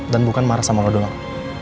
dan bukan marah sama lo doang